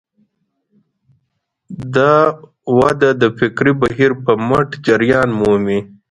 دا وده د فکري بهیر په مټ جریان مومي.